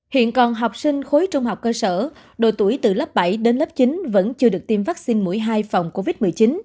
hiện còn học sinh khối trung học cơ sở độ tuổi từ lớp bảy đến lớp chín vẫn chưa được tiêm vaccine mũi hai phòng covid một mươi chín